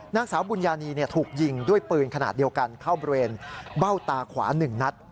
นางสาวบุญญานีถูกยิงด้วยปืนขนาดเดียวกันเข้าบริเวณเบ้าตาขวา๑นัด